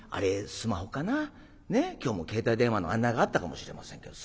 ねえ今日も携帯電話の案内があったかもしれませんけど。